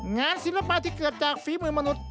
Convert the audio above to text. ศิลปะที่เกิดจากฝีมือมนุษย